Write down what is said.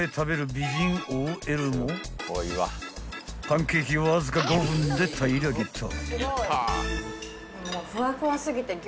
［パンケーキをわずか５分で平らげた］